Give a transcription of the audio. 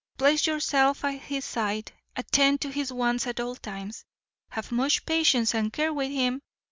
Place yourself at his side. Attend to his wants at all times. Have much patience and care with him.